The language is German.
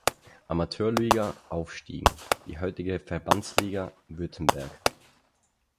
Amateurliga aufstiegen, die heutige Verbandsliga Württemberg.